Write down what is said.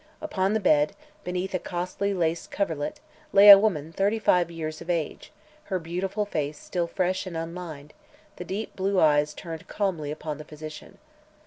Upon the bed, beneath a costly lace coverlid, lay a woman thirty five years of age, her beautiful face still fresh and unlined, the deep blue eyes turned calmly upon the physician.